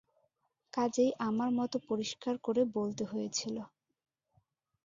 কাজেই আমার মত পরিষ্কার করে বলতে হয়েছিল।